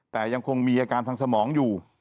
แต่ยังคงมีอาการทางสมองอยู่